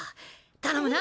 頼むな！